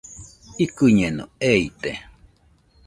Ikɨñeno, eite